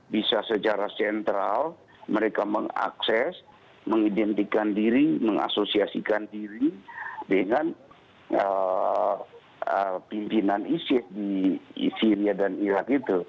bisa secara sentral mereka mengakses mengidentikan diri mengasosiasikan diri dengan pimpinan isis di syria dan irak itu